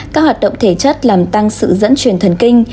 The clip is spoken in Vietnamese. các hoạt động thể chất làm tăng sự dẫn truyền thần kinh